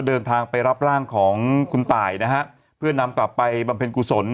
เดินทางไปรับร่างของคุณตายนะฮะเพื่อนำกลับไปบำเพ็ญกุศล